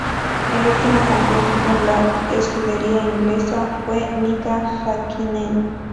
El último campeón con la escudería inglesa fue Mika Häkkinen.